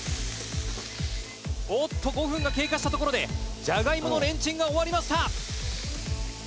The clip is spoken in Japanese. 「おーっと５分が経過したところでじゃがいものレンチンが終わりました」